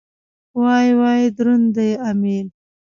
وای وای دروند دی امېل.